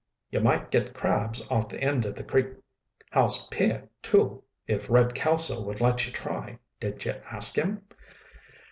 "You might gets crabs off the end of the Creek House pier, too, if Red Kelso would let you try. Did you ask him?"